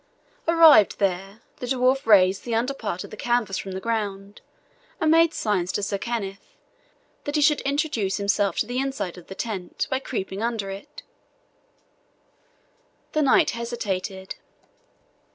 Arrived there, the dwarf raised the under part of the canvas from the ground, and made signs to Sir Kenneth that he should introduce himself to the inside of the tent, by creeping under it. The knight hesitated.